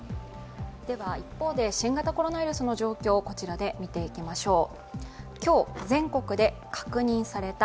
一方で新型コロナウイルスの状況、こちらで見ていきましょう。